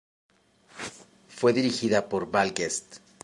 Fue dirigida por Val Guest.